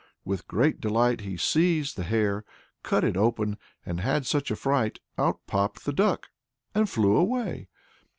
With great delight he seized the hare, cut it open and had such a fright! Out popped the duck and flew away.